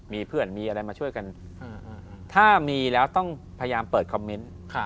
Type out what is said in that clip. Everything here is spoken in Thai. มีเพื่อนมีอะไรมาช่วยกันถ้ามีแล้วต้องพยายามเปิดคอมเมนต์